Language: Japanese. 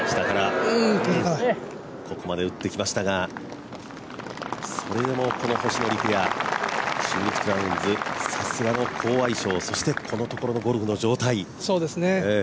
ここまで打ってきましたがそれでもこの星野陸也、中日クラウンズ、さすがの好相性そしてこのところのゴルフの状態